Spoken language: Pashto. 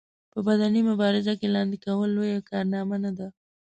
په بدني مبارزه کې لاندې کول لويه کارنامه نه ده.